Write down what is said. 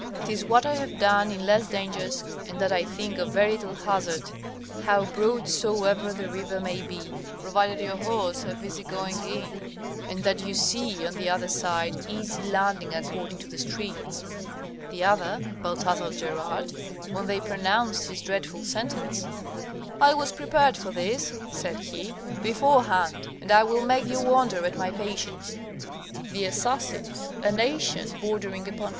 'Tis what I have done in less dangers, and that I think of very little hazard, how broad soever the river may be, provided your horse have easy going in, and that you see on the other side easy landing according to the stream. The other, [Balthazar Gerard.] when they pronounced his dreadful sentence, "I was prepared for this," said he, "beforehand, and I will make you wonder at my patience." The Assassins, a nation bordering upon Phoenicia, [Or in Egypt, Syria, and Persia.